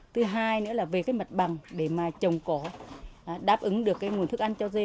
thứ hai nữa là về cái mặt bằng để mà trồng cỏ đáp ứng được cái nguồn thức ăn cho dê